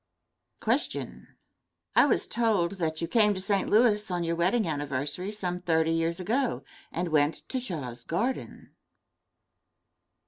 Question. I was told that you came to St. Louis on your wedding trip some thirty years ago and went to Shaw's Garden?